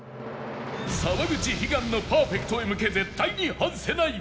沢口悲願のパーフェクトへ向け絶対に外せない！